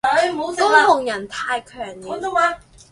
高雄人太強了